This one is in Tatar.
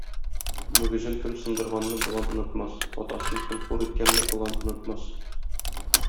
Мөгезен кем сындырганны болан онытмас, атасын кем хур иткәнне олан онытмас.